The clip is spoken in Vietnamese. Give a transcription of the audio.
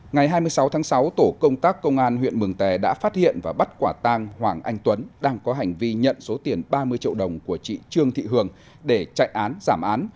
ngày hai mươi sáu tháng sáu tổ công tác công an huyện mường tè đã phát hiện và bắt quả tang hoàng anh tuấn đang có hành vi nhận số tiền ba mươi triệu đồng của chị trương thị hường để chạy án giảm án